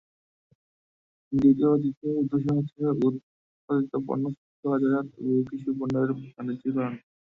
দ্বিতীয় ও তৃতীয় উদ্দেশ্য হচ্ছে উৎপাদিত পণ্য সুষ্ঠু বাজারজাত ও কৃষিপণ্যের বাণিজ্যিকীকরণ।